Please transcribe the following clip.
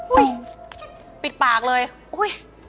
อุ๊ยปิดปากเลยอุ๊ย